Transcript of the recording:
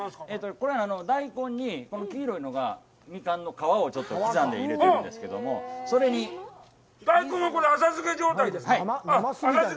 これは大根にこの黄色いのは、ミカンの皮をちょっと刻んで入れてるんですけど、それに大根は浅漬け状態ですか？